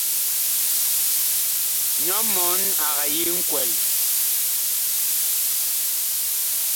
Nyɔ mɔɔn ag yi nkwɛl.